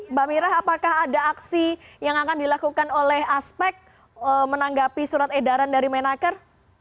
mbak mira apakah ada aksi yang akan dilakukan oleh aspek menanggapi surat edaran dari menaker